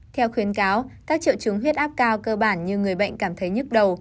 theo khuyến cáo các triệu chứng huyết áp cao cơ bản như người bệnh cảm thấy nhức đầu